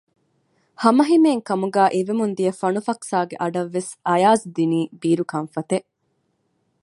ހަމަހިމޭން ކަމުގައި އިވެމުން ދިޔަ ފަނުފަކްސާގެ އަޑަށްވެސް އަޔަާޒު ދިނީ ބީރު ކަންފަތެއް